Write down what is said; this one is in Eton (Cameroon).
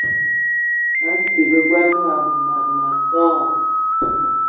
A nti bebela na wa mas ma tó?